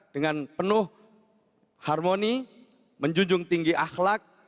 dengan penuh harmoni menjunjung tinggi akhlak